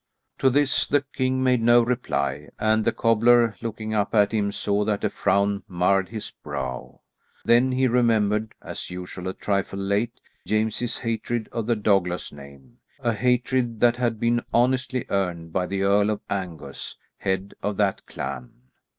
To this the king made no reply, and the cobbler, looking up at him, saw that a frown marred his brow. Then he remembered, as usual a trifle late, James's hatred of the Douglas name; a hatred that had been honestly earned by the Earl of Angus, head of that clan.